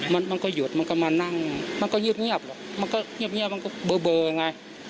มันก็หยุดมันก็มานั่งมันก็เงียบมันก็เบอไง